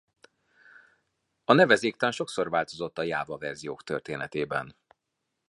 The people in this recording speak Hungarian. A nevezéktan sokszor változott a Java verziók történetében.